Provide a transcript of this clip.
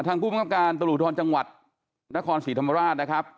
ทางผู้บังคับการณ์ตลูกรณ์จังหวัดนครศรีธรรมราชนะครับ